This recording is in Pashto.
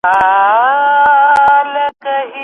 د سترګو د پردې عملیات څه ډول وي؟